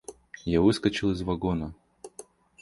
Я выскочил из вагона.